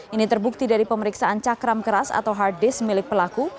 ini terbukti dari pemeriksaan cakram keras atau hard disk milik pelaku